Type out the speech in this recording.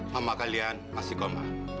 mama kalian masih koma